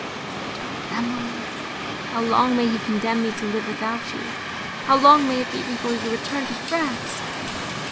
Yet, O Emily! how long may he condemn me to live without you,—how long may it be before you return to France!"